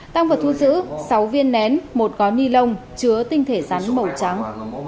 tăng vật thu giữ sáu viên nén một gói ni lông chứa tinh thể rắn màu trắng